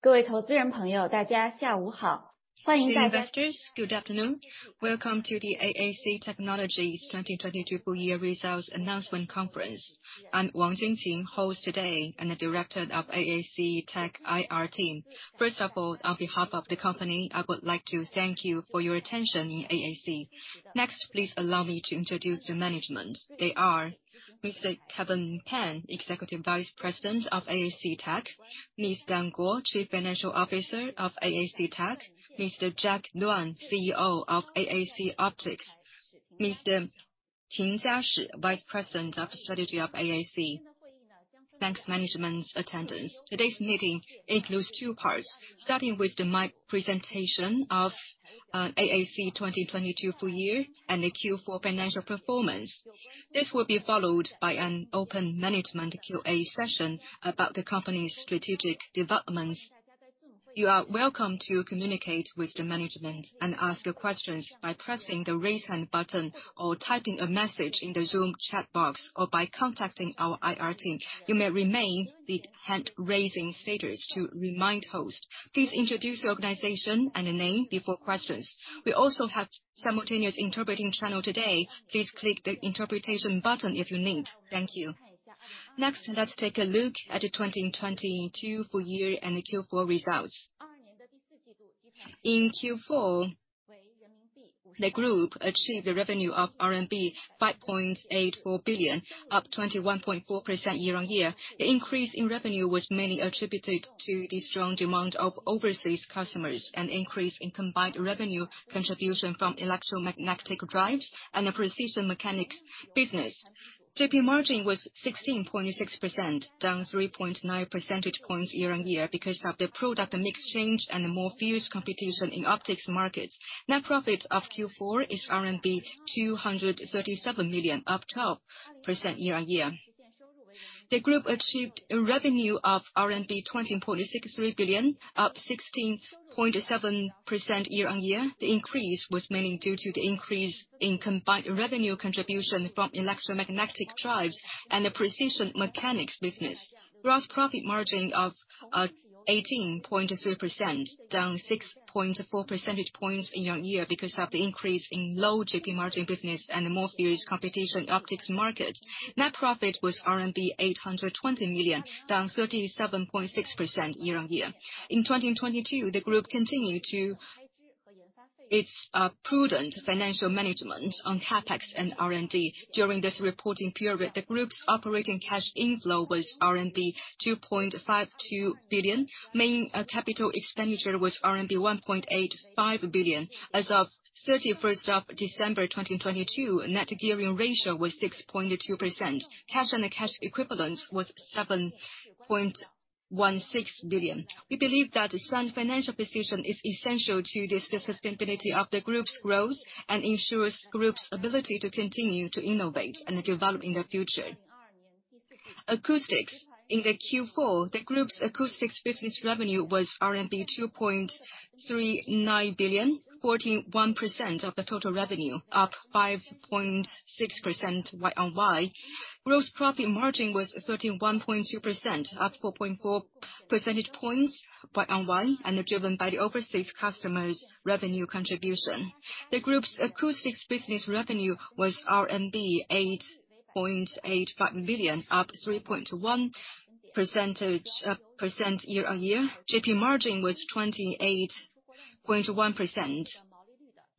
Investors, good afternoon. Welcome to the AAC Technologies' 2022 full year results announcement conference. I'm Wang Junqing, host today, and the Director of AAC Tech IR team. On behalf of the company, I would like to thank you for your attention in AAC. Please allow me to introduce the management. They are Mr. Kelvin Pan, Executive Vice President of AAC Tech, Ms. Dan Guo, Chief Financial Officer of AAC Tech, Mr. Jack Duan, CEO of AAC Optics, Mr. Tingjia Shi, Vice President of Strategy of AAC. Thanks management's attendance. Today's meeting includes two parts, starting with my presentation of AAC 2022 full year and Q4 financial performance. This will be followed by an open management QA session about the company's strategic developments. You are welcome to communicate with the management and ask your questions by pressing the Raise Hand button or typing a message in the Zoom chat box, or by contacting our IR team. You may remain the hand-raising status to remind host. Please introduce your organization and the name before questions. We also have simultaneous interpreting channel today. Please click the interpretation button if you need. Thank you. Let's take a look at the 2022 full year and the Q4 results. In Q4, the group achieved a revenue of RMB 5.84 billion, up 21.4% YoY. The increase in revenue was mainly attributed to the strong demand of overseas customers, an increase in combined revenue contribution from Electromagnetic Drives, and a Precision Mechanics business. GP margin was 16.6%, down 3.9 percentage points year-on-year because of the product mix change and the more fierce competition in optics markets. Net profits of Q4 is RMB 237 million, up 12% year-on-year. The group achieved a revenue of RMB 20.63 billion, up 16.7% year-on-year. The increase was mainly due to the increase in combined revenue contribution from Electromagnetic Drives and the Precision Mechanics business. Gross profit margin of 18.3%, down 6.4 percentage points year-on-year because of the increase in low GP margin business and the more fierce competition in optics market. Net profit was RMB 820 million, down 37.6% year-on-year. In 2022, the group continued its prudent financial management on CapEx and R&D during this reporting period. The group's operating cash inflow was RMB 2.52 billion, main capital expenditure was RMB 1.85 billion. As of December 31st, 2022, net gearing ratio was 6.2%. Cash and the cash equivalents was 7.16 billion. We believe that sound financial position is essential to the sustainability of the group's growth and ensures group's ability to continue to innovate and develop in the future. Acoustics. In the Q4, the group's acoustics business revenue was RMB 2.39 billion, 41% of the total revenue, up 5.6% YoY. Gross profit margin was 31.2%, up 4.4 percentage points YoY, driven by the overseas customers' revenue contribution. The group's acoustics business revenue was RMB 8.85 billion, up 3.1% year-on-year. GP margin was 28.1%,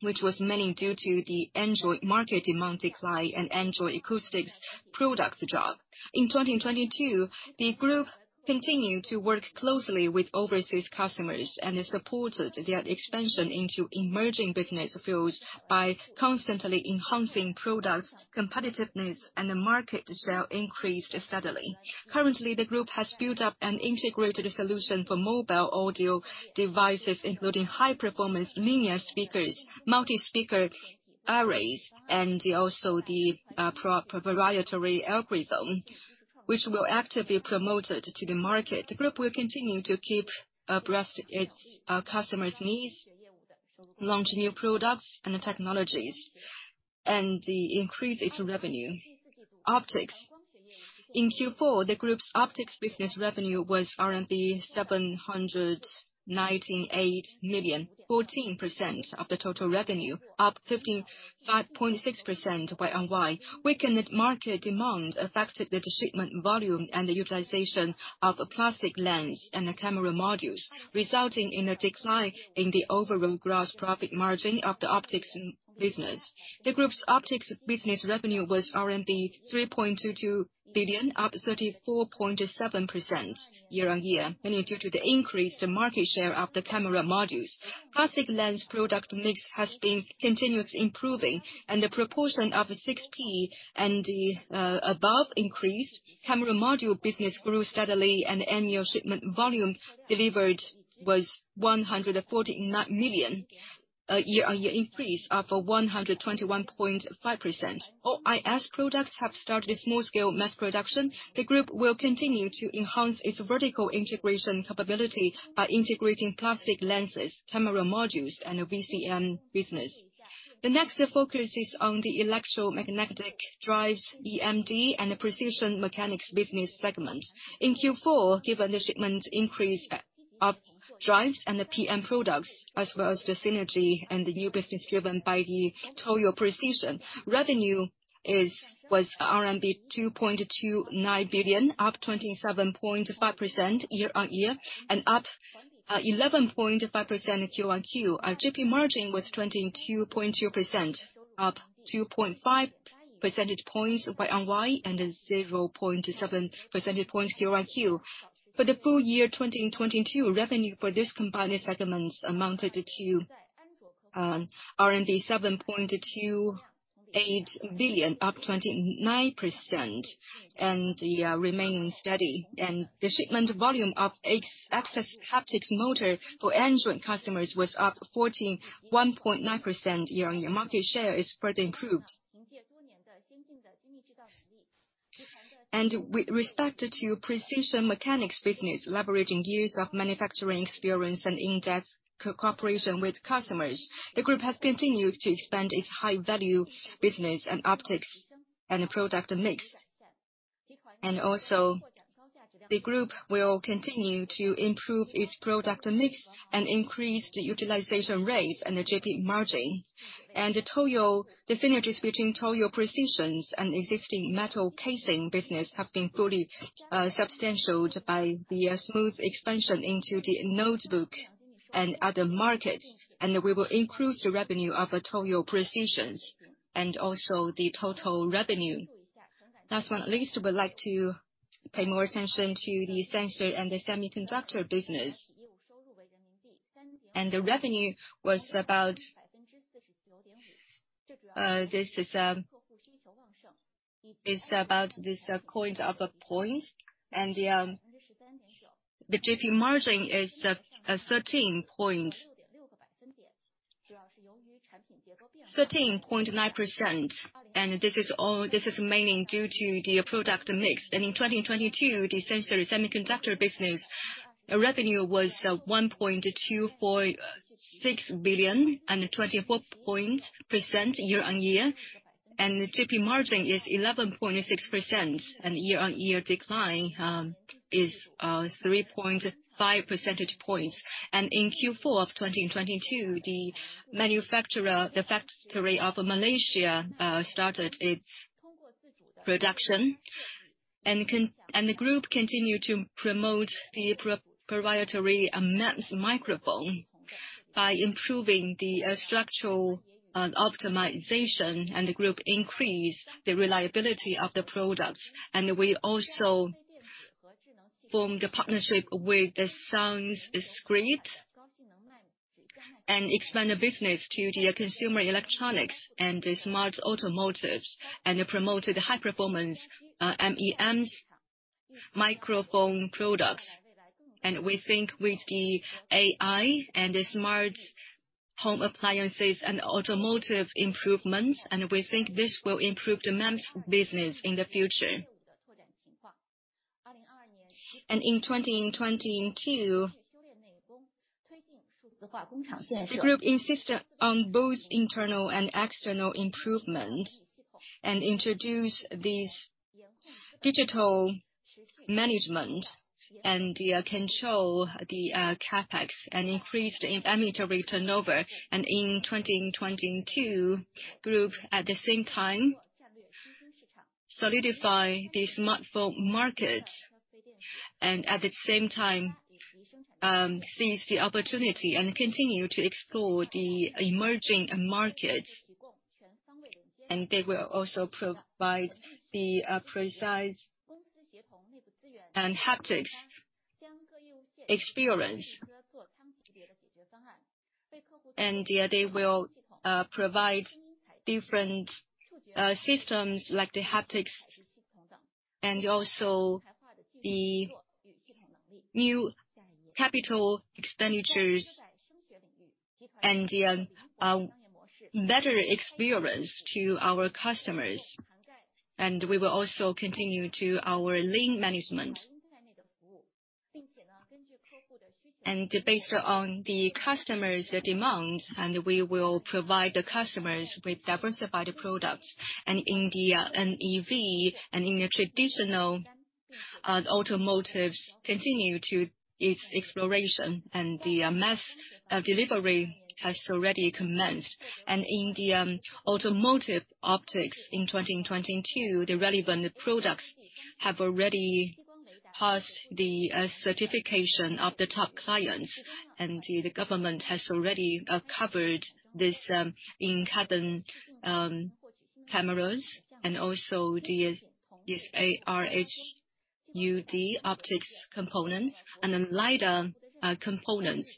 which was mainly due to the Android market demand decline and Android acoustics products drop. In 2022, the group continued to work closely with overseas customers and has supported their expansion into emerging business fields by constantly enhancing products, competitiveness, and the market share increased steadily. Currently, the group has built up an integrated solution for mobile audio devices, including high-performance linear speakers, multi-speaker arrays, and also the proprietary algorithm, which will actively be promoted to the market. The group will continue to keep abreast its customers' needs, launch new products and technologies, and increase its revenue. Optics. In Q4, the group's optics business revenue was 798 million, 14% of the total revenue, up 15.6% YoY. Weakened market demand affected the shipment volume and the utilization of plastic lens and the camera modules, resulting in a decline in the overall gross profit margin of the optics business. The group's optics business revenue was RMB 3.22 billion, up 34.7% year-on-year, mainly due to the increased market share of the camera modules. Plastic lens product mix has been continuously improving and the proportion of 6P and the above increased. Camera module business grew steadily and annual shipment volume delivered was 149 million, a year-on-year increase of 121.5%. OIS products have started a small scale mass production. The group will continue to enhance its vertical integration capability by integrating plastic lenses, camera modules, and a VCM business. The next focus is on the Electromagnetic Drives, EMD, and the Precision Mechanics business segment. In Q4, given the shipment increase Our drives and the PM products, as well as the synergy and the new business driven by the Toyo Precision. Revenue was RMB 2.29 billion, up 27.5% YoY and up 11.5% QoQ. Our GP margin was 22.0%, up 2.5 percentage points YoY and 0.7 percentage points QoQ. For the full year 2022, revenue for this combined segments amounted to 7.28 billion, up 29% and remaining steady. The shipment volume of X-axis haptic motor for Android customers was up 14.9% year-on-year. Market share is further improved. With respect to Precision Mechanics business, leveraging years of manufacturing experience and in-depth cooperation with customers, the group has continued to expand its high value business and Optics and the product mix. The group will continue to improve its product mix and increase the utilization rates and the GP margin. The synergies between Toyo Precision and existing metal casing business have been fully substantiated by the smooth expansion into the notebook and other markets. We will increase the revenue of Toyo Precision and also the total revenue. Last one, at least we would like to pay more attention to the sensor and the semiconductor business. The revenue was about this coins of a point. The GP margin is 13.9%. This is mainly due to the product mix. In 2022, the sensor and semiconductor business revenue was 1.246 billion and 24% year-on-year. The GP margin is 11.6% and year-on-year decline is 3.5 percentage points. In Q4 of 2022, the manufacturer, the factory of Malaysia, started its production. The group continued to promote the proprietary MEMS microphone by improving the structural and optimization, and the group increased the reliability of the products. We also formed a partnership with the Soundskrit and expand the business to the consumer electronics and the smart automotives, and have promoted high performance MEMS microphone products. We think with the AI and the smart home appliances and automotive improvements, and we think this will improve the MEMS business in the future. In 2022, the group insisted on both internal and external improvements and introduced these digital management and control the CapEx and increased inventory turnover. In 2022, group at the same time solidify the smartphone market and at the same time seize the opportunity and continue to explore the emerging markets. They will also provide the precise and haptics experience. Yeah, they will provide different systems like the haptics and also the new capital expenditures and the better experience to our customers. We will also continue to our lean management. Based on the customers' demands, and we will provide the customers with diversified products. In the NEV and in the traditional automotives continue to its exploration, and the MEMS delivery has already commenced. In the automotive optics in 2022, the relevant products have already passed the certification of the top clients. The government has already covered this in-cabin cameras and also the ARHUD optics components and then LIDAR components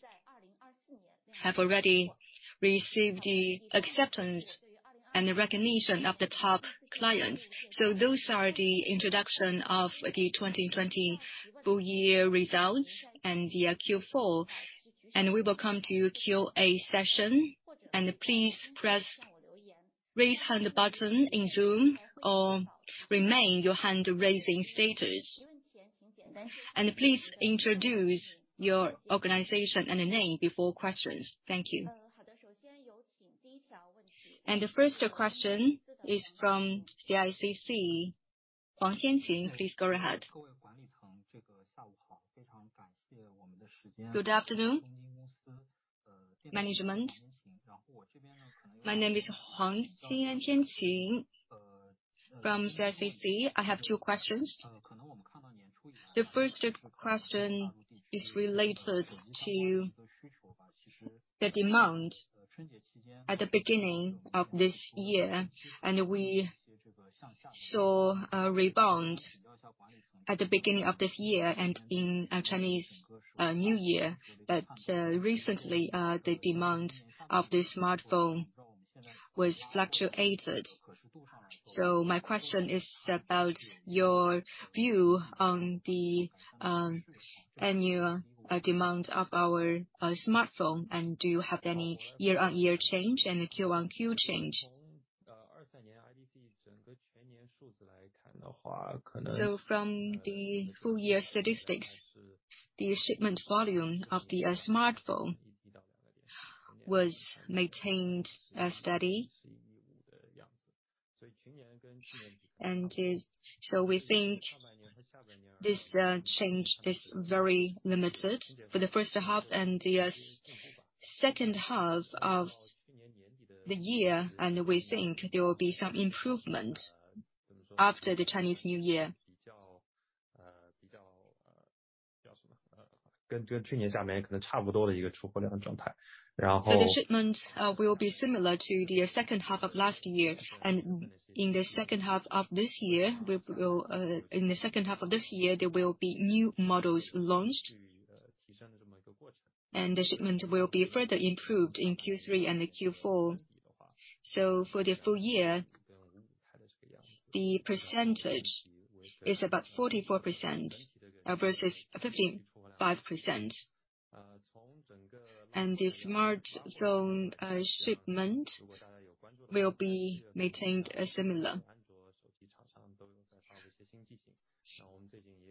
have already received the acceptance and the recognition of the top clients. Those are the introduction of the 2020 full year results and the Q4. We will come to Q&A session. Please press raise hand button in Zoom or remain your hand raising status. Please introduce your organization and the name before questions. Thank you. The first question is from CICC. Huang Tianqing, please go ahead. Good afternoon, management. My name is Huang Tianqing from CICC. I have two questions. The first question is related to the demand at the beginning of this year. We saw a rebound at the beginning of this year and in our Chinese New Year. Recently, the demand of the smartphone was fluctuated. My question is about your view on the annual demand of our smartphone. Do you have any year-on-year change and a quarter-on-quarter change? From the full year statistics, the shipment volume of the smartphone was maintained steady. It... We think this change is very limited for the first half and the second half of the year. We think there will be some improvement after the Chinese New Year. The shipments will be similar to the second half of last year. In the second half of this year, there will be new models launched. The shipment will be further improved in Q3 and Q4. For the full year, the percentage is about 44% versus 55%. The smartphone shipment will be maintained similar.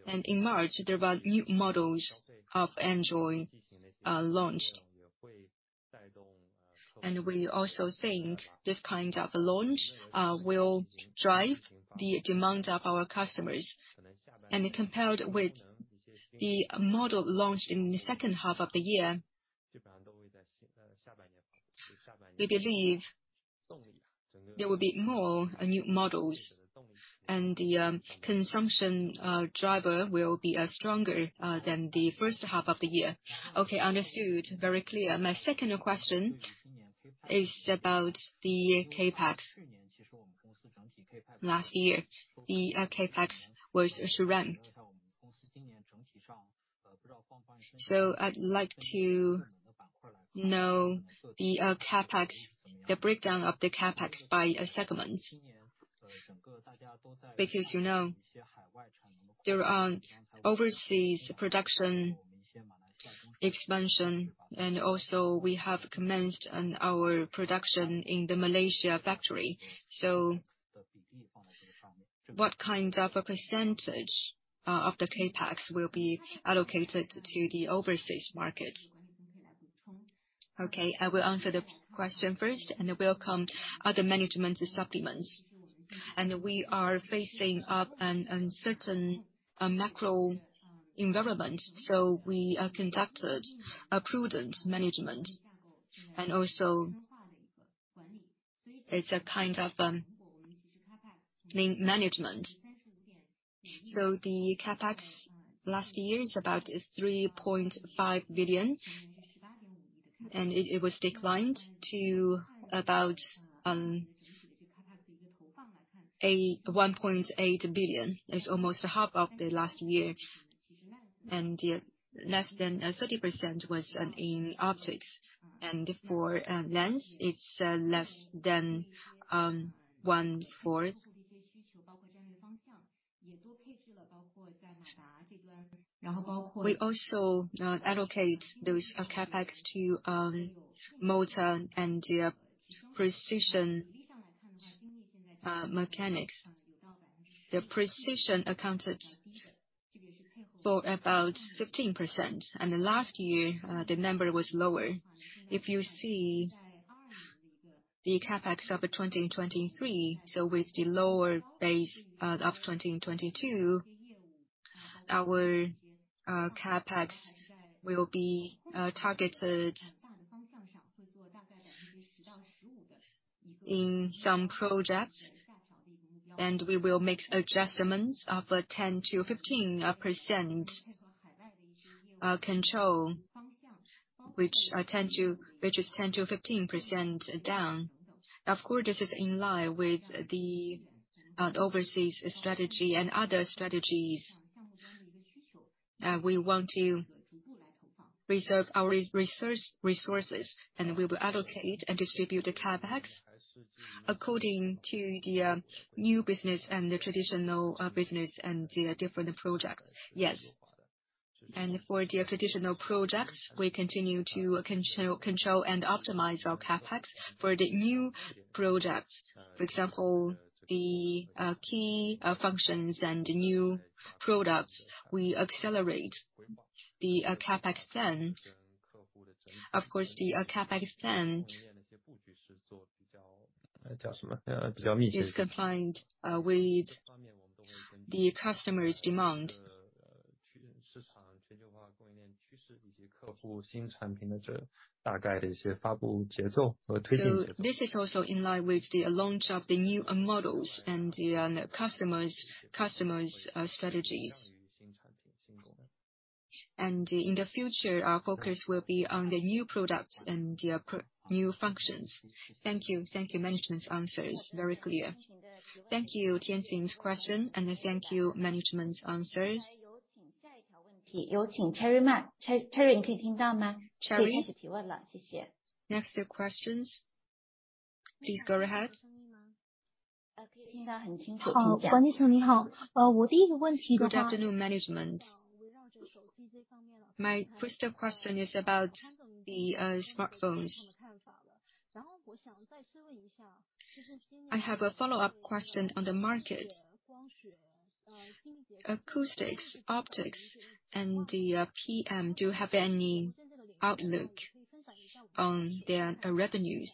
In March, there were new models of Android launched. We also think this kind of launch will drive the demand of our customers. Compared with the model launched in the second half of the year, we believe there will be more new models. The consumption driver will be stronger than the first half of the year. Okay, understood. Very clear. My second question is about the CapEx. Last year, the CapEx was shrunk. I'd like to know the CapEx, the breakdown of the CapEx by segment. Because, you know, there are overseas production expansion, and also we have commenced on our production in the Malaysia factory. What kind of a percentage of the CapEx will be allocated to the overseas market? Okay, I will answer the question first, and welcome other management supplements. We are facing an uncertain macro environment, we conducted a prudent management. Also it's a kind of lean management. The CapEx last year is about 3.5 billion. It was declined to about 1.8 billion. It's almost half of the last year. Less than 30% was in optics. For lens it's less than one-fourth. We also allocate those CapEx to motor and Precision Mechanics. The Precision Mechanics accounted for about 15%. Last year, the number was lower. If you see the CapEx of 2023, with the lower base of 2022, our CapEx will be targeted in some projects, and we will make adjustments of 10%-15% control, which is 10%-15% down. Of course, this is in line with the overseas strategy and other strategies. We want to reserve our resources, and we will allocate and distribute the CapEx according to the new business and the traditional business and the different projects. Yes. For the traditional projects, we continue to control and optimize our CapEx. For the new projects, for example, the key functions and new products, we accelerate The CapEx spend. Of course, the CapEx spend is compliant with the customer's demand. This is also in line with the launch of the new models and the customers' strategies. In the future, our focus will be on the new products and their new functions. Thank you. Thank you management's answer is very clear. Thank you, Tingjia's question, and thank you management's answers. Cherry, next few questions. Please go ahead. Good afternoon management. My first question is about the smartphones. I have a follow-up question on the market. Acoustics, Optics, and the PM, do you have any outlook on their revenues?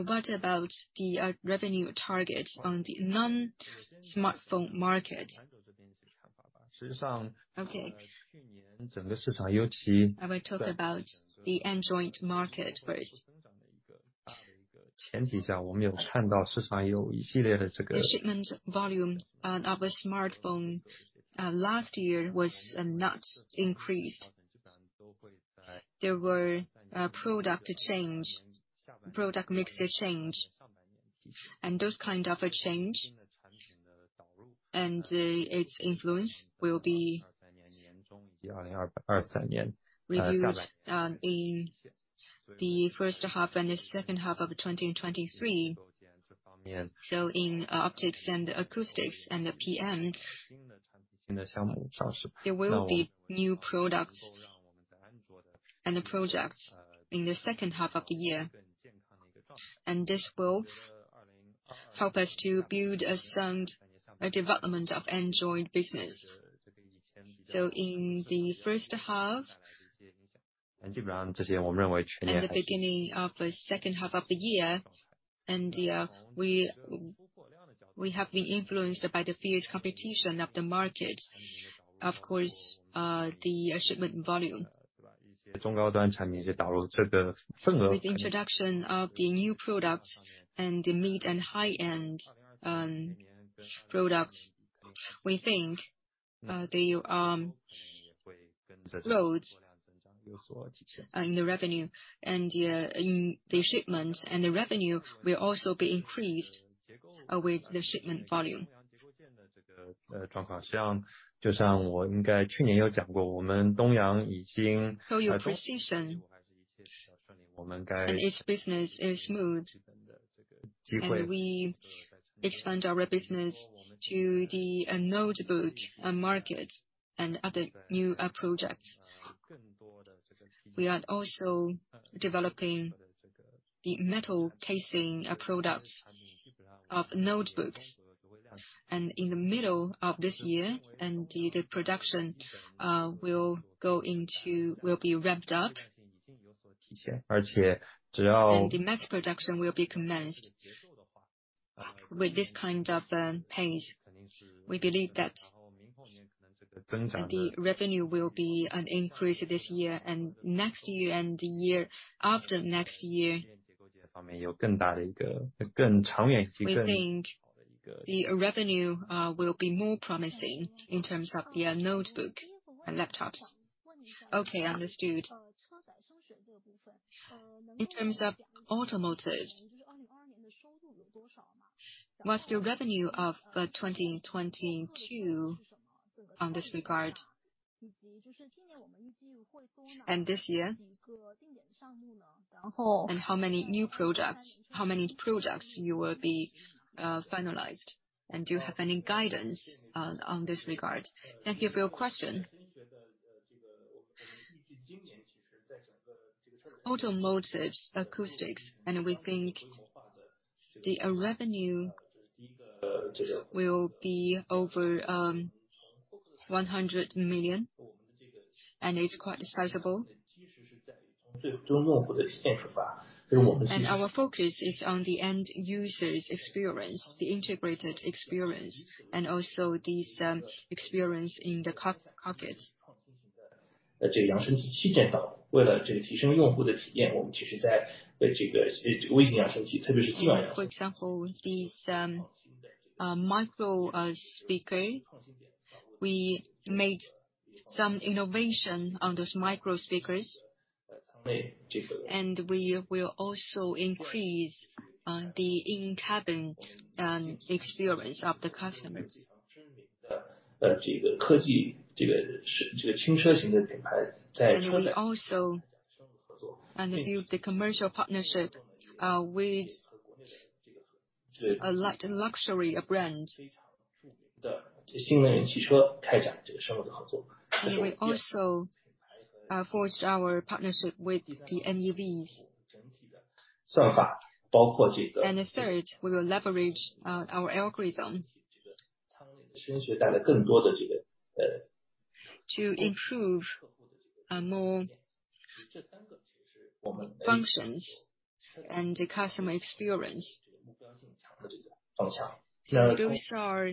What about the revenue target on the non-smartphone market? Okay. I will talk about the Android market first. The shipment volume on our smartphone last year was not increased. There were product change, product mixture change. Those kind of a change and its influence will be reduced in the first half and the second half of 2023. In Optics and Acoustics and the PM, there will be new products and the projects in the second half of the year. This will help us to build a sound development of Android business. In the first half and the beginning of the second half of the year, and we have been influenced by the fierce competition of the market. Of course, the shipment volume. With introduction of the new products and the mid and high-end products, we think the loads and the revenue and the shipment and the revenue will also be increased with the shipment volume. Toyo Precision and its business is smooth, and we expand our business to the notebook market and other new projects. We are also developing the metal casing products of notebooks. In the middle of this year, and the production will be wrapped up. The mass production will be commenced. With this kind of pace, we believe that the revenue will be an increase this year and next year and the year after next year. We think the revenue will be more promising in terms of the notebook and laptops. Okay, understood. In terms of automotive, what's the revenue of 2022 on this regard? This year, how many new products? How many products you will be finalized? Do you have any guidance on this regard? Thank you for your question. Automotive acoustics, we think the revenue will be over 100 million, and it's quite sizable. Our focus is on the end user's experience, the integrated experience and also these experience in the cockpit. For example, these microspeaker, we made some innovation on those microspeakers. We will also increase the in-cabin experience of the customers. We also build the commercial partnership with a luxury brand. We also forged our partnership with the NEVs. The third, we will leverage our algorithm. To improve more functions and the customer experience. Those are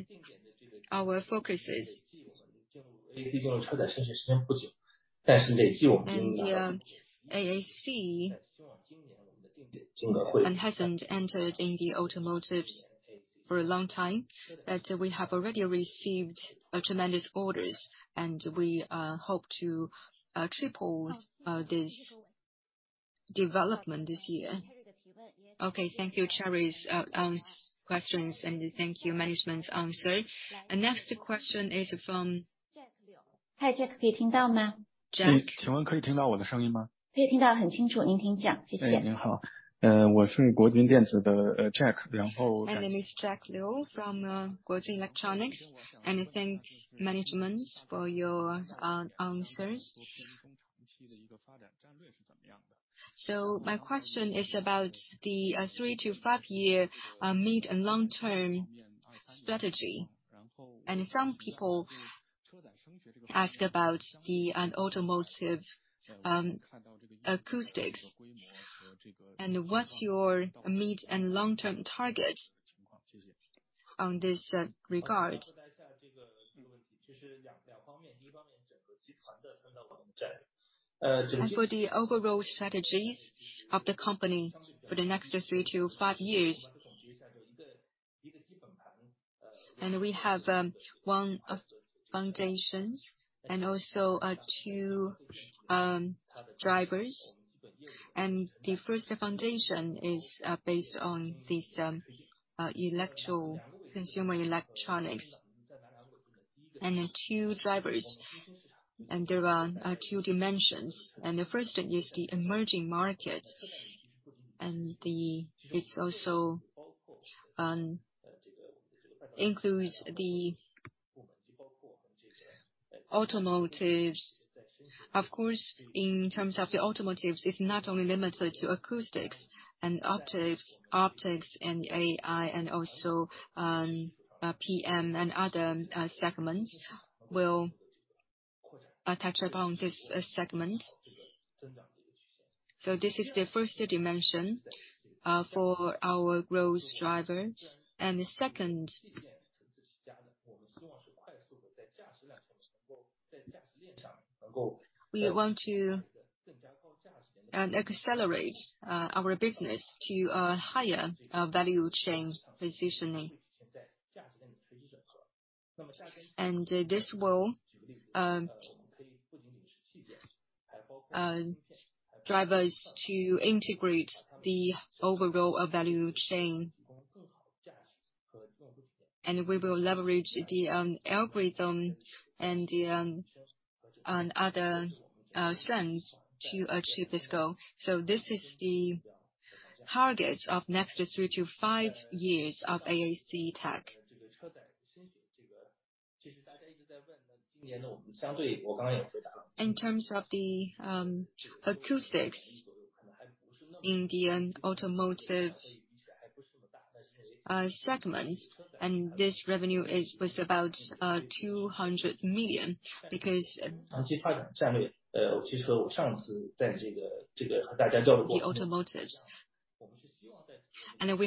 our focuses. AAC hasn't entered in the automotives for a long time, but we have already received tremendous orders. We hope to triple this development this year. Okay. Thank you. Cherry's questions, and thank you, management's answer. Next question is from Jack Liu. Hi, Jack. Can you hear me? Jack? Can you hear me? Yes, very clearly. You may proceed. Thank you. Hello. I'm from Guojun Electronics, Jack. My name is Jack Liu from Guojun Electronics. Thank management for your answers. My question is about the three to five-year mid and long-term strategy. Some people ask about the automotive acoustics. What's your mid and long-term target on this regard? For the overall strategies of the company for the next three to five years. We have one of foundations and also two drivers. The first foundation is based on this consumer electronics. The two drivers, and there are two dimensions, the first one is the emerging market. It's also includes the automotives. Of course, in terms of the automotives, it's not only limited to acoustics and optics. Optics and AI, also, PM and other segments will attach upon this segment. This is the first dimension for our growth driver. The second, we want to accelerate our business to a higher value chain positioning. This will drive us to integrate the overall value chain. We will leverage the algorithm and other strengths to achieve this goal. This is the targets of next three to five years of AAC Tech. In terms of the acoustics in the automotive segments, this revenue was about 200 million. We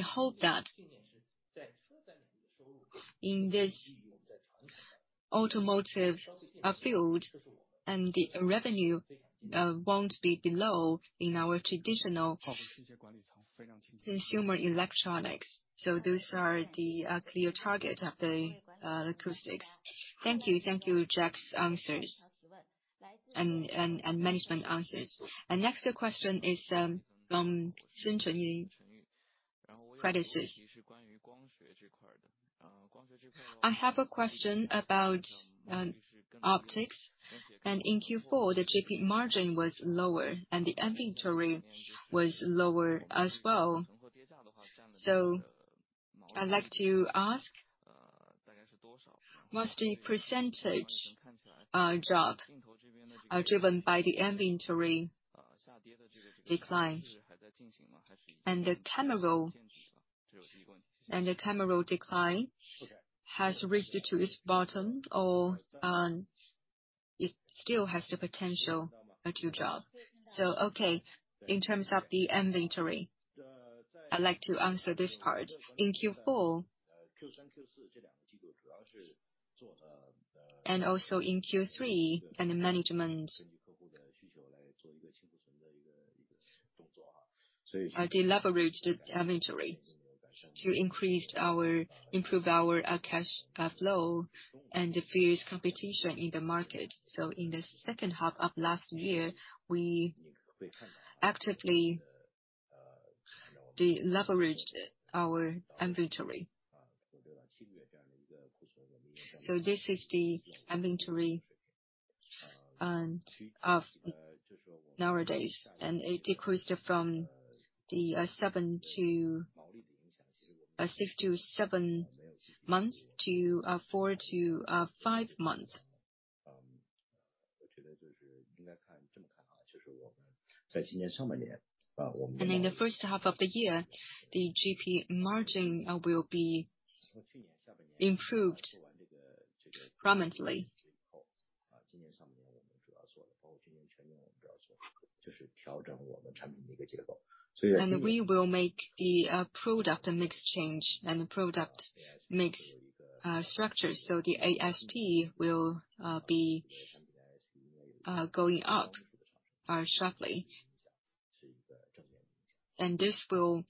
hope that in this automotive field the revenue won't be below in our traditional consumer electronics. Those are the clear target of the acoustics. Thank you. Thank you, Jack's answers and management answers. Next question is from Xin Chenyu, Credit Suisse. I have a question about optics. In Q4, the GP margin was lower, and the inventory was lower as well. I'd like to ask, was the percentage drop driven by the inventory decline? The camera decline has reached to its bottom or it still has the potential to drop. Okay, in terms of the inventory, I'd like to answer this part. In Q4 and also in Q3, the management deleveraged the inventory to improve our cash flow and the fierce competition in the market. In the second half of last year, we actively de-leveraged our inventory. This is the inventory of nowadays, and it decreased from the six to seven months to four to five months. In the first half of the year, the GP margin will be improved permanently. We will make the product mix change and the product mix structure, so the ASP will be going up sharply. This will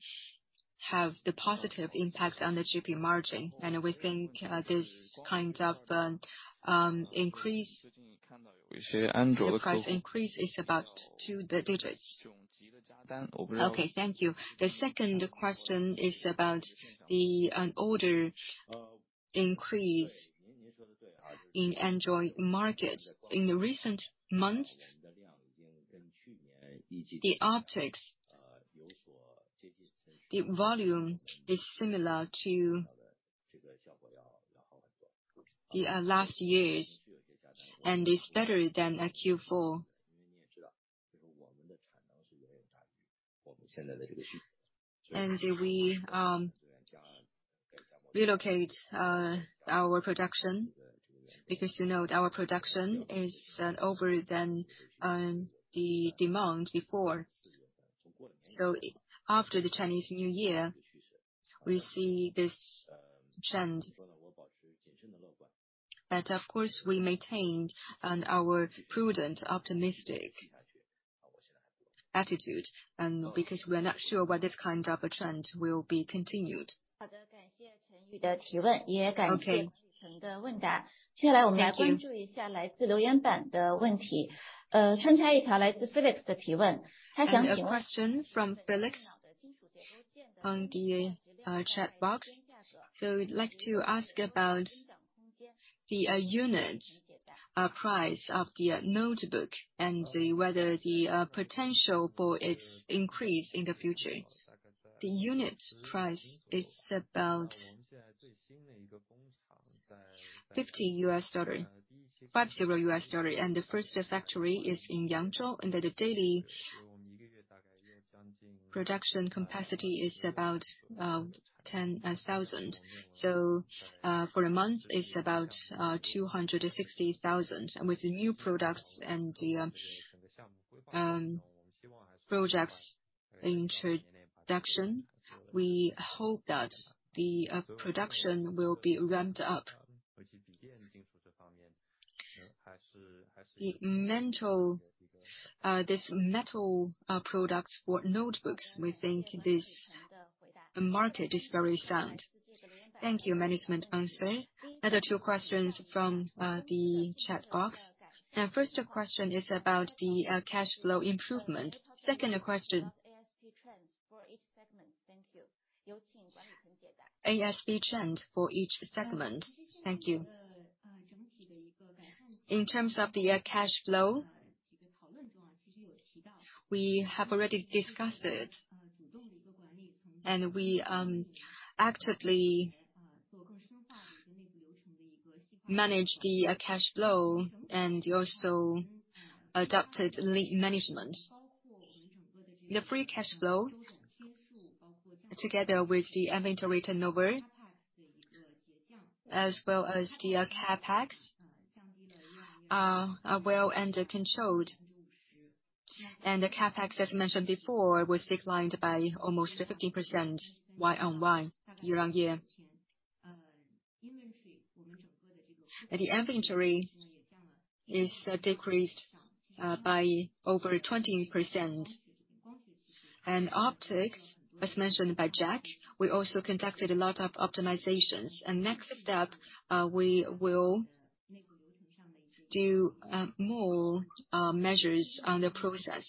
have the positive impact on the GP margin. We think this kind of price increase is about two digits. Okay, thank you. The second question is about the order increase in Android market. In the recent months, the optics, the volume is similar to the last year's, and is better than Q4. We relocate our production because you know our production is over than the demand before. After the Chinese New Year, we see this trend. Of course, we maintained our prudent, optimistic attitude because we are not sure whether this kind of a trend will be continued. Okay. Thank you. A question from Felix on the chat box. We'd like to ask about the unit price of the notebook and whether the potential for its increase in the future. The unit price is about $50, $50, and the first factory is in Yangzhou, and the daily production capacity is about 10,000. For a month, it's about 260,000. With the new products and projects introduction, we hope that the production will be ramped up. This metal products for notebooks, we think the market is very sound. Thank you, management answer. Other two questions from the chat box. First question is about the cash flow improvement. Second question. ASP trend for each segment. Thank you. In terms of the cash flow, we have already discussed it. We actively manage the cash flow and also adopted management. The free cash flow, together with the inventory turnover as well as the CapEx, are well under control. The CapEx, as mentioned before, was declined by almost 15% year-on-year. The inventory is decreased by over 20%. Optics, as mentioned by Jack, we also conducted a lot of optimizations. Next step, we will do more measures on the process.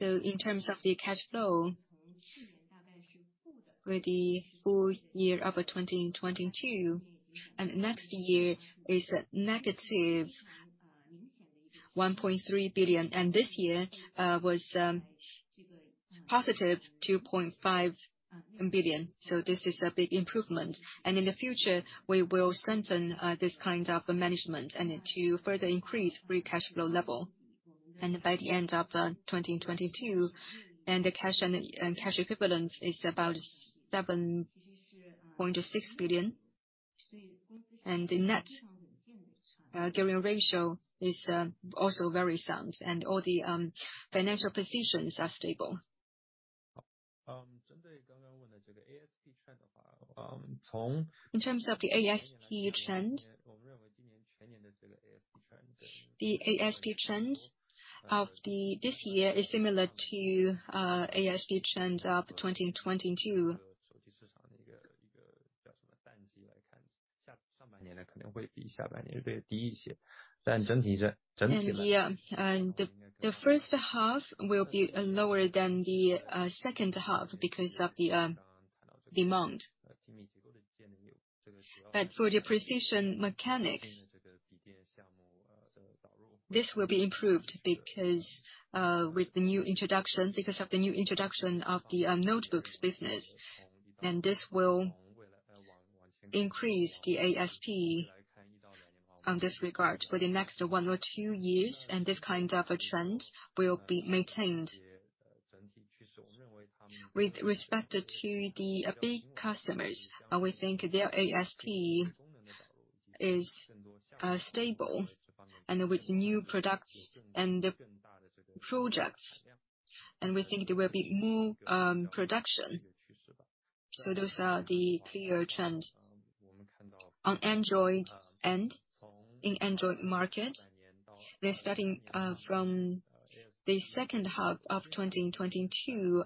In terms of the cash flow for the full year of 2022, next year is negative 1.3 billion, this year was positive 2.5 billion. This is a big improvement. In the future, we will strengthen this kind of management and to further increase free cash flow level. By the end of 2022, the cash and cash equivalent is about 7.6 billion. The net gearing ratio is also very sound, and all the financial positions are stable. In terms of the ASP trend, the ASP trend of this year is similar to ASP trends of 2022. The first half will be lower than the second half because of the demand. For the Precision Mechanics. This will be improved because of the new introduction of the notebooks business. This will increase the ASP on this regard for the next one or two years, and this kind of a trend will be maintained. With respect to the big customers, we think their ASP is stable, with new products and projects, we think there will be more production. Those are the clear trends. On Android and in Android market, they're starting from the second half of 2022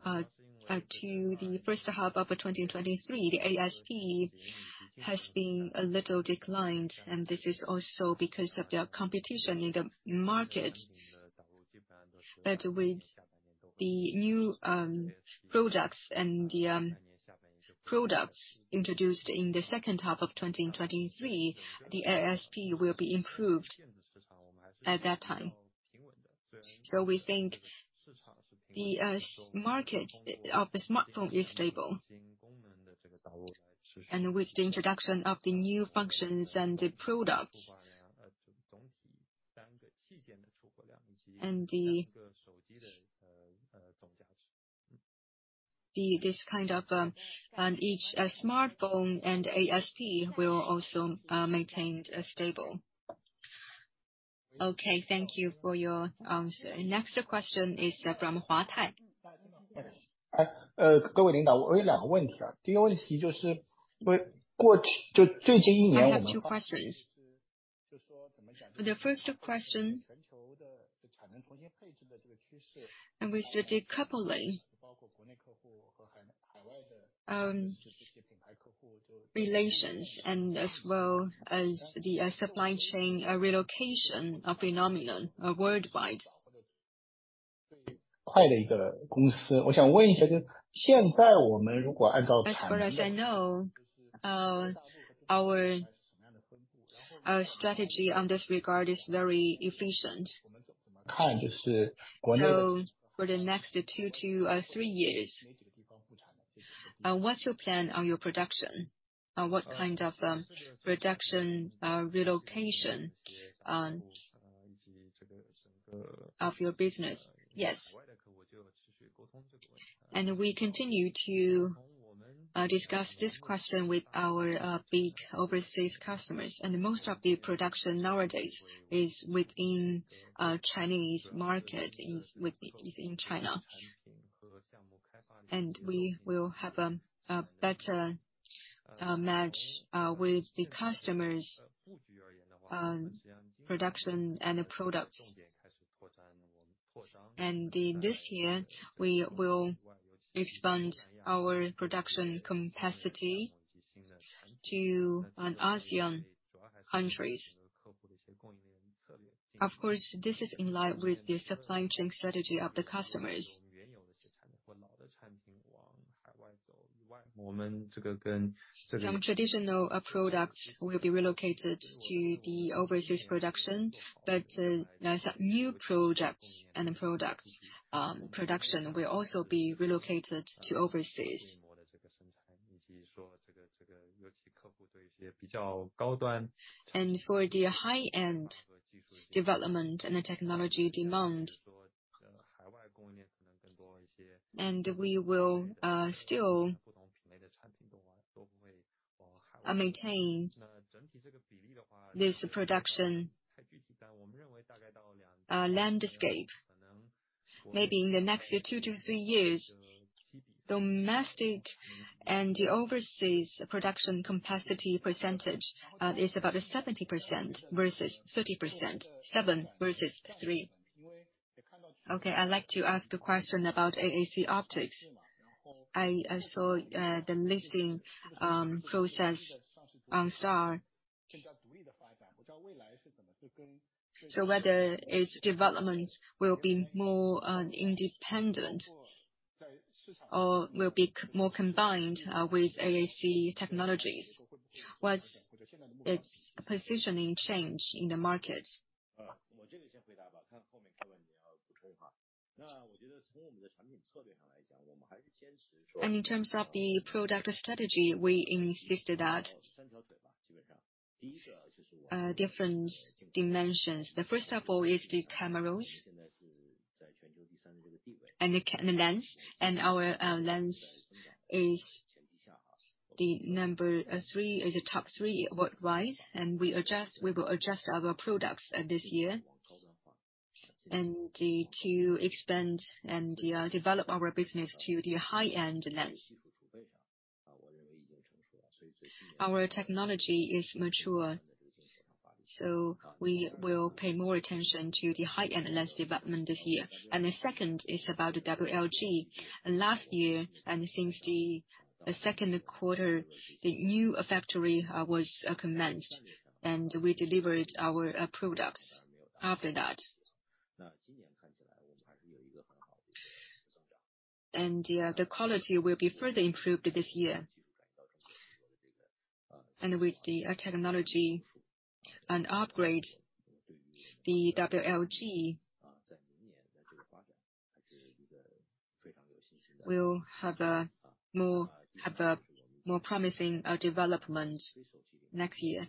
to the first half of 2023. The ASP has been a little declined, and this is also because of the competition in the market. With the new products and the products introduced in the second half of 2023, the ASP will be improved at that time. We think the market of the smartphone is stable. With the introduction of the new functions and the products. This kind of on each smartphone and ASP will also maintained as stable. Okay. Thank you for your answer. Next question is from Huatai. I have two questions. The first question. With the decoupling relations and as well as the supply chain relocation of phenomenon worldwide. As far as I know, our strategy on this regard is very efficient. For the next two to three years, what's your plan on your production? What kind of production relocation of your business? Yes. We continue to discuss this question with our big overseas customers. Most of the production nowadays is within Chinese market, is in China. We will have a better match with the customers production and the products. This year, we will expand our production capacity to ASEAN countries. Of course, this is in line with the supply chain strategy of the customers. Some traditional products will be relocated to the overseas production, but now some new projects and products production will also be relocated to overseas. For the high-end development and the technology demand. We will still maintain this production landscape. Maybe in the next two to three years, domestic and overseas production capacity percentage is about 70% versus 30%. Seven versus three. Okay. I'd like to ask a question about AAC Optics. I saw the listing process on Star. Whether its development will be more independent or will be more combined with AAC Technologies. What's its positioning change in the market? In terms of the product strategy, we insisted that different dimensions. The first of all is the cameras and the lens. Our lens is the number three, is the top three worldwide, we will adjust our products this year. To expand and develop our business to the high-end lens. Our technology is mature, we will pay more attention to the high-end lens development this year. The second is about WLG. Last year, since the second quarter, the new factory was commenced, and we delivered our products after that. Yeah, the quality will be further improved this year. With the technology and upgrade, the WLG will have a more promising development next year.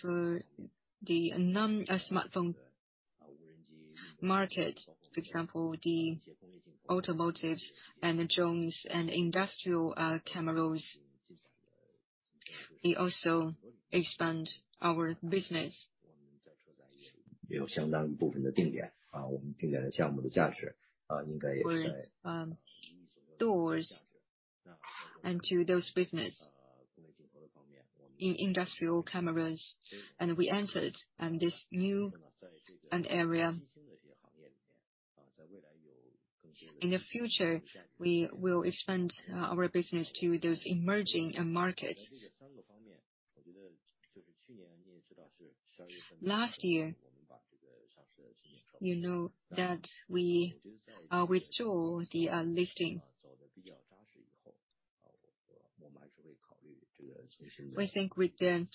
For the non-smartphone market, for example, the automotives and drones and industrial cameras, we also expand our business. With doors into those business. In industrial cameras, we entered in this new end area. In the future, we will expand our business to those emerging end markets. Last year, you know that we withdrew the listing. We think with the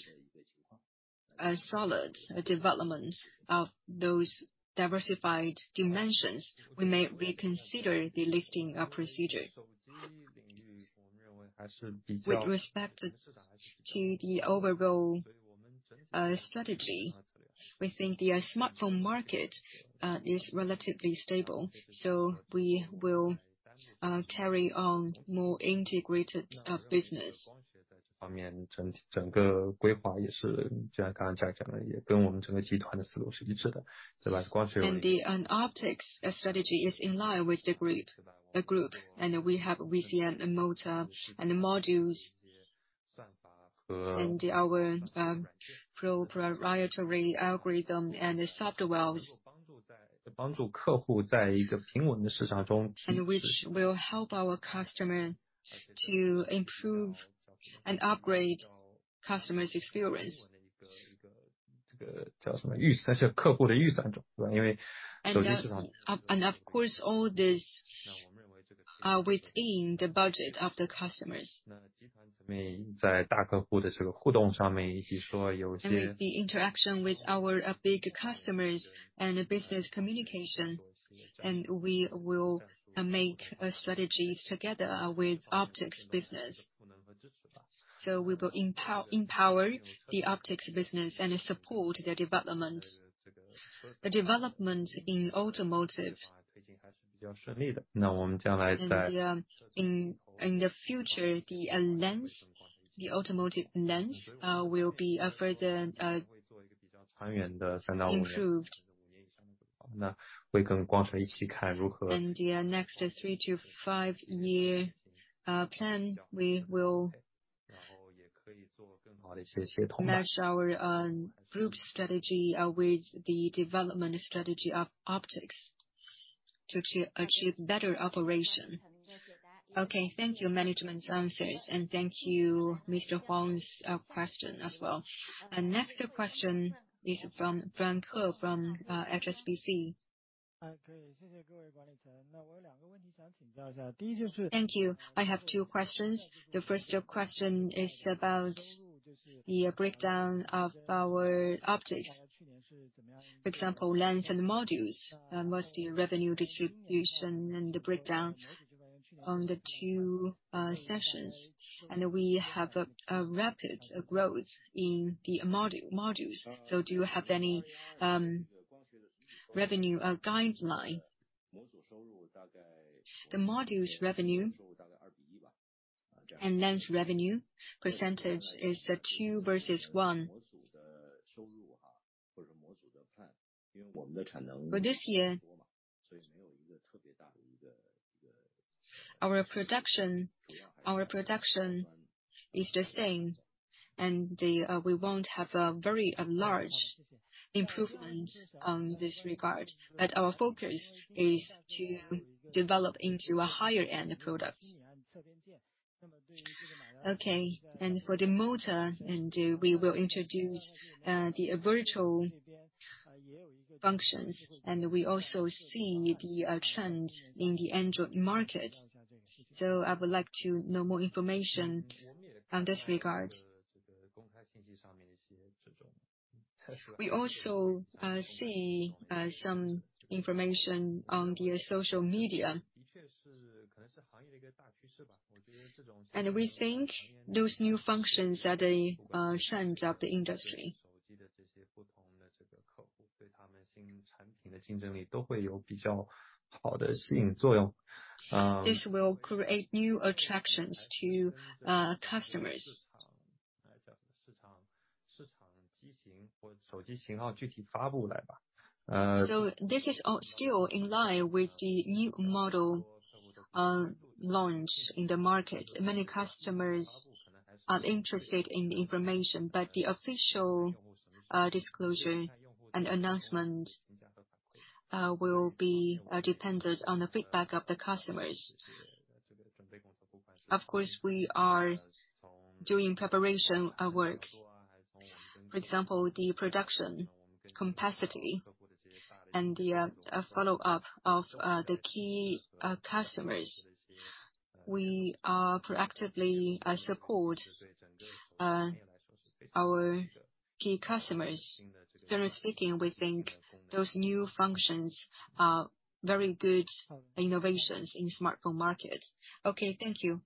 solid development of those diversified dimensions, we may reconsider the listing procedure. With respect to the overall strategy, we think the smartphone market is relatively stable. We will carry on more integrated business. Optics strategy is in line with the group. We have VCM and motor and modules. Our proprietary algorithm and the softwares. Which will help our customer to improve and upgrade customer's experience. Of course, all this are within the budget of the customers. With the interaction with our big customers and the business communication, we will make our strategies together with Optics business. We will empower the Optics business and support their development. The development in automotive. In the future, the automotive lens will be further improved. Next three to five-year plan, we will match our group strategy with the development strategy of Optics to achieve better operation. Okay. Thank you, management's answers. Thank you, Wang Huang's question as well. Next question is from Frank He from HSBC. Thank you. I have two questions. The first question is about the breakdown of our optics. For example, lens and modules, what's the revenue distribution and the breakdown on the two sections? We have a rapid growth in the modules. Do you have any revenue guideline? The modules revenue and lens revenue percentage is two versus one. For this year, our production is the same. We won't have a very large improvement on this regard. Our focus is to develop into a higher-end product. Okay. For the motor, we will introduce the virtual functions. We also see the trend in the Android market. I would like to know more information on this regard. We also see some information on the social media. We think those new functions are the trends of the industry. This will create new attractions to customers. This is still in line with the new model launch in the market. Many customers are interested in the information, but the official disclosure and announcement will be dependent on the feedback of the customers. Of course, we are doing preparation work. For example, the production capacity and the follow up of the key customers. We are proactively support our key customers. Generally speaking, we think those new functions are very good innovations in smartphone market. Okay. Thank you.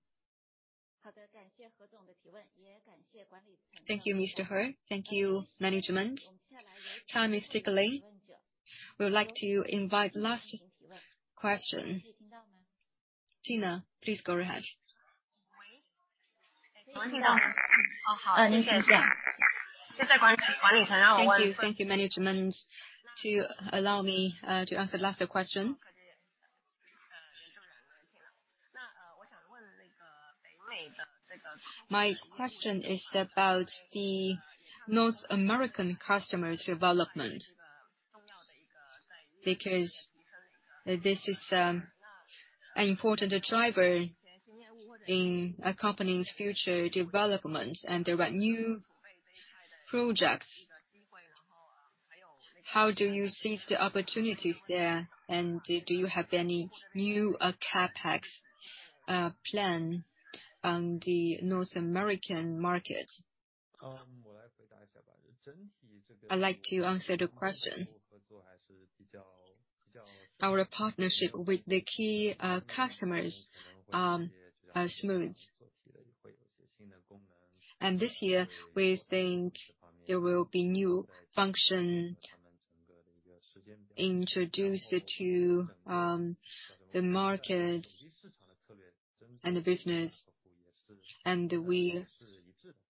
Thank you, Mr. He. Thank you, management. Time is ticking. We would like to invite last question. Tina, please go ahead. Thank you. Thank you, management to allow me to ask the last question. My question is about the North American customers development. This is an important driver in a company's future development, and there are new projects. How do you seize the opportunities there, and do you have any new CapEx plan on the North American market? I'd like to answer the question. Our partnership with the key customers are smooth. This year, we think there will be new function introduced to the market and the business, and we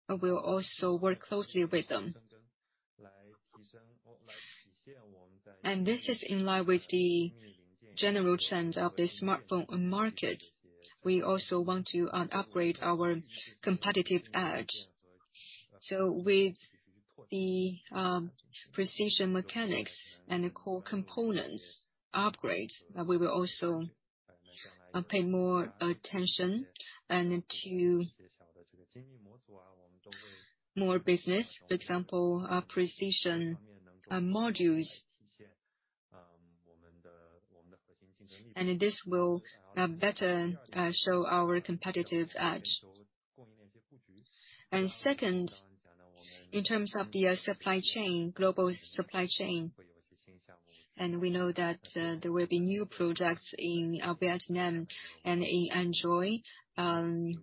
will also work closely with them. This is in line with the general trend of the smartphone market. We also want to upgrade our competitive edge. With the precision mechanics and the core components upgrade, we will also pay more attention and to more business. For example, our precision modules. This will better show our competitive edge. Second, in terms of the supply chain, global supply chain, we know that there will be new products in Vietnam and in Android.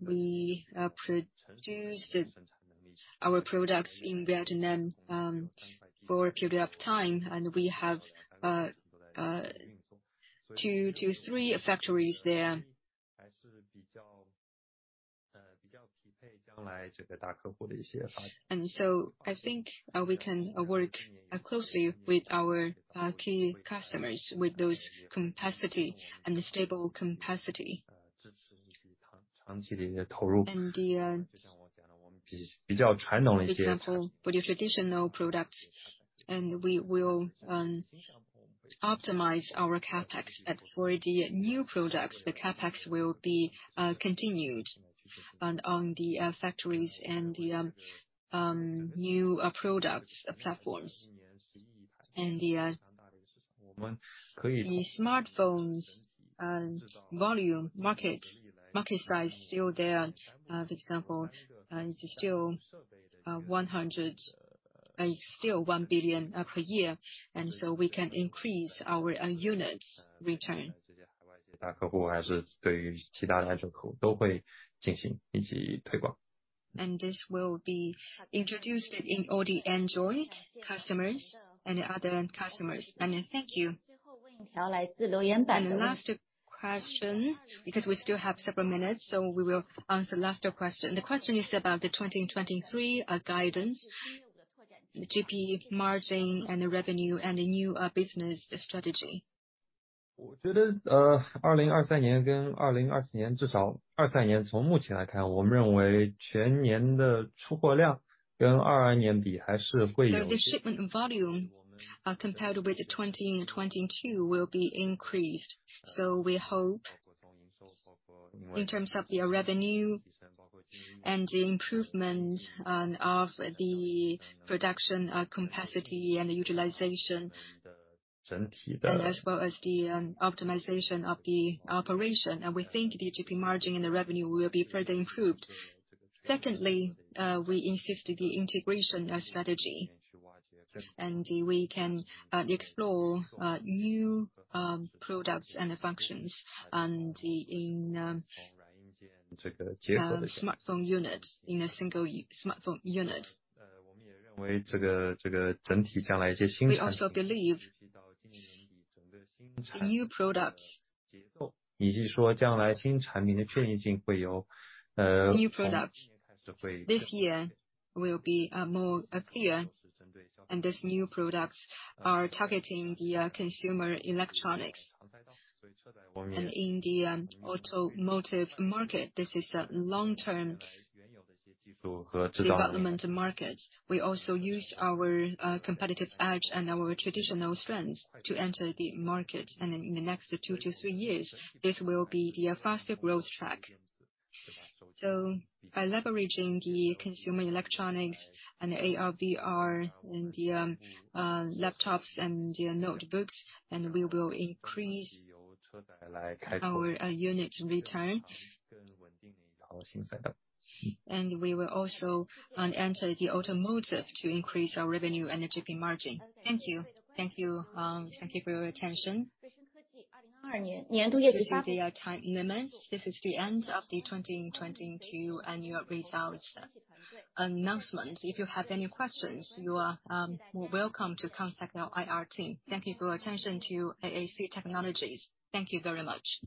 We produced our products in Vietnam for a period of time, and we have two to three factories there. I think, we can work closely with our key customers with those capacity and stable capacity. For example, for the traditional products, we will optimize our CapEx. For the new products, the CapEx will be continued on the factories and the new products platforms. The smartphones and volume market size still there. For example, it is still 1 billion per year, so we can increase our units return. This will be introduced in all the Android customers and other customers. Thank you. The last question, because we still have several minutes, so we will ask the last question. The question is about the 2023 guidance, the GP margin and the revenue and the new business strategy. The shipment volume, compared with the 2022 will be increased. We hope in terms of the revenue and the improvement of the production capacity and the utilization, and as well as the optimization of the operation. We think the GP margin and the revenue will be further improved. Secondly, we insist the integration strategy, and we can explore new products and functions and in smartphone units, in a single smartphone unit. We also believe new products. New products this year will be more clear, and these new products are targeting the consumer electronics. In the automotive market, this is a long-term development market. We also use our competitive edge and our traditional strengths to enter the market. In the next two to three years, this will be the faster growth track. By leveraging the consumer electronics and ARVR and the laptops and the notebooks, we will increase our unit return. We will also enter the automotive to increase our revenue and the GP margin. Thank you. Thank you for your attention. Due to the time limits, this is the end of the 2022 annual results announcement. If you have any questions, you are more welcome to contact our IR team. Thank you for your attention to AAC Technologies. Thank you very much.